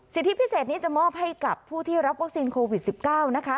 สิทธิพิเศษนี้จะมอบให้กับผู้ที่รับวัคซีนโควิด๑๙นะคะ